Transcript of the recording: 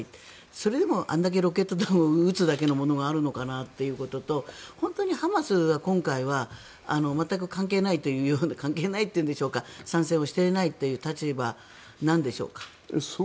それでもあれだけロケット弾を撃つものがあるのかなということと本当にハマスは今回は全く関係ないというか賛成をしていないという立場なんでしょうか。